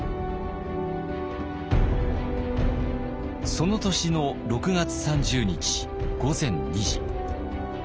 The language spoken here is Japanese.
その年の６月３０日午前２時。